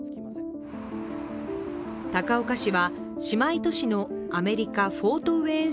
高岡市は姉妹都市のアメリカ・フォートウェーン